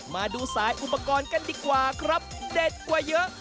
มาดูสายอุปกรณ์กันดีกว่าครับเด็ดกว่าเยอะ